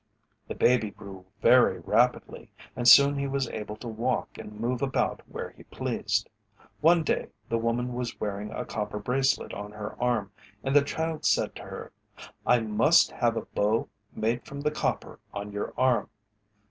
The baby grew very rapidly, and soon he was able to walk and move about where he pleased. One day the woman was wearing a copper bracelet on her arm and the child said to her, "I must have a bow made from the copper on your arm."